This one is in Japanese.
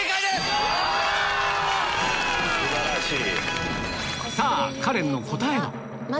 素晴らしい！